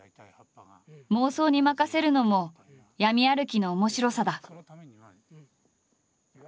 妄想に任せるのも闇歩きの面白さだ。